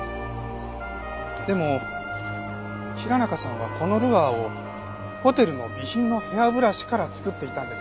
でも平中さんはこのルアーをホテルの備品のヘアブラシから作っていたんです。